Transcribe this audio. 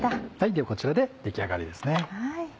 ではこちらで出来上がりですね。